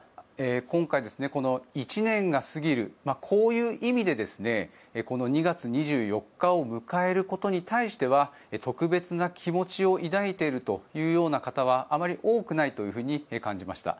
今回、１年が過ぎるこういう意味でこの２月２４日を迎えることに対しては特別な気持ちを抱いているというような方はあまり多くないと感じました。